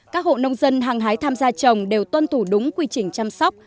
các hộ nông dân hàng hái tham gia trồng đều tuân thủ đúng quy trình chăm sóc